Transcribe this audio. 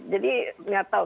jadi tidak tahu